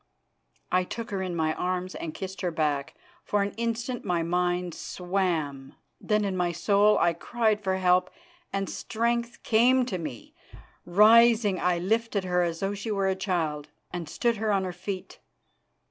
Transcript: I took her in my arms and kissed her back. For an instant my mind swam. Then in my soul I cried for help, and strength came to me. Rising, I lifted her as though she were a child, and stood her on her feet.